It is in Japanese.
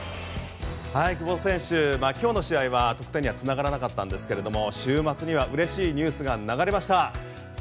久保選手、今日の試合は得点には繋がらなかったんですけれども週末には嬉しいニュースが流れました。